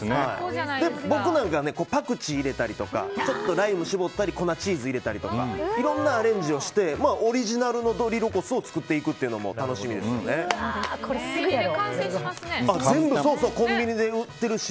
僕なんかはパクチー入れたりちょっとライム絞ったり粉チーズ入れたりいろんなアレンジをしてオリジナルのドリロコスを作っていくというのもコンビニで完成しますね。